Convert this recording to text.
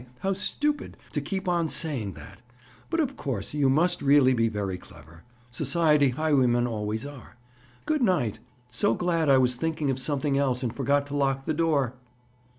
How stupid, to keep on saying that! But, of course, you must really be very clever. Society highwaymen always are. Good night. So glad I was thinking of something else and forgot to lock the door!"